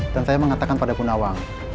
dan saya mengatakan pada bu nawang